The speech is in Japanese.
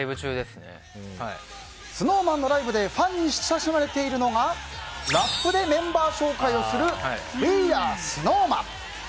ＳｎｏｗＭａｎのライブでファンに親しまれているのがラップでメンバー紹介をする「ＷｅａｒｅＳｎｏｗＭａｎ」。